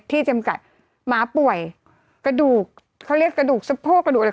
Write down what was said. จำกัดหมาป่วยกระดูกเขาเรียกกระดูกสะโพกกระดูกอะไร